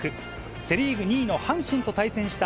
セ・リーグ２位の阪神と対戦した